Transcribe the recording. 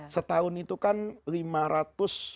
setahun itu kan lima ratus